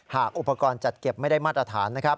หากอุปกรณ์จัดเก็บไม่ได้มาตรฐานนะครับ